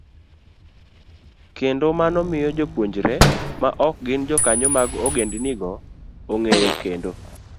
kendo mano miyo jopuonjre maok gin jokanyo mag ogendnigo ong'eyo kendo